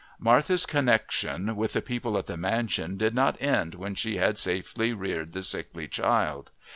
Martha's connexion with the people at the mansion did not end when she had safely reared the sickly child.